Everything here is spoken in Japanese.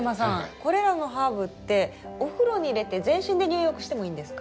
これらのハーブってお風呂に入れて全身で入浴してもいいんですか？